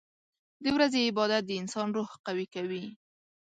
• د ورځې عبادت د انسان روح قوي کوي.